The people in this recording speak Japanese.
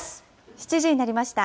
７時になりました。